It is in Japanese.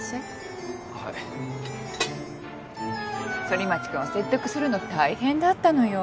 反町君を説得するの大変だったのよ。